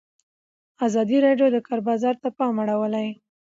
ازادي راډیو د د کار بازار ته پام اړولی.